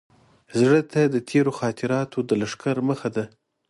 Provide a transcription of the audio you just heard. زړه ته د تېرو خاطراتو د لښکر مخه ده.